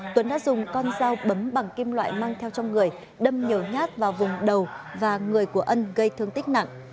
tuấn đã dùng con dao bấm bằng kim loại mang theo trong người đâm nhiều nhát vào vùng đầu và người của ân gây thương tích nặng